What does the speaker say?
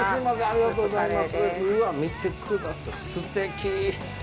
ありがとうございます。